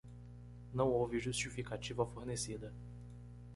Não houve justificativa fornecida.